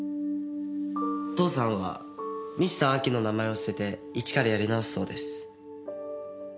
父さんはミスター・アキの名前を捨てて一からやり直すそうです。